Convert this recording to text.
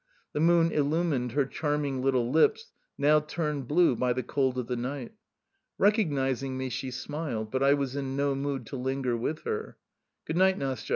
The moon illumined her charming little lips, now turned blue by the cold of the night. Recognizing me she smiled; but I was in no mood to linger with her. "Good night, Nastya!"